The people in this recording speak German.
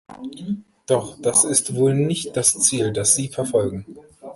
Doch das ist wohl nicht das Ziel, das Sie verfolgen.